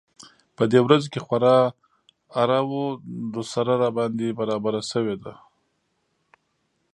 په دې ورځو کې خورا اره و دوسره راباندې برابره شوې ده.